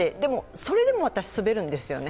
それでも私、滑るんですよね。